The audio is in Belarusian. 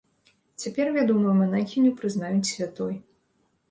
Цяпер вядомую манахіню прызнаюць святой.